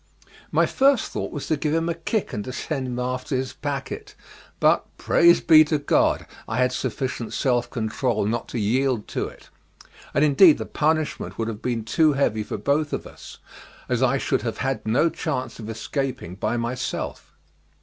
My first thought was to give him a kick and to send him after his packet, but, praised be to God! I had sufficient self control not to yield to it, and indeed the punishment would have been too heavy for both of us, as I should have had no chance of escaping by myself.